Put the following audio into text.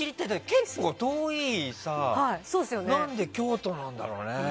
結構、遠いさ何で京都何だろうね。